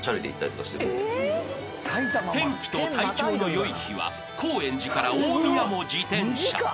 ［天気と体調のよい日は高円寺から大宮も自転車］